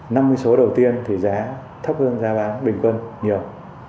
năm mươi số đầu tiên thì giá thấp hơn giá bán bình quân nhiều